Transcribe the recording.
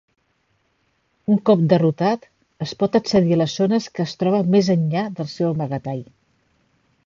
Un cop derrotat, es pot accedir a les zones que es troben més enllà del seu amagatall.